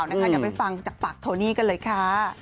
อย่าไปฟังจากปากโทนี่กันเลยค่ะ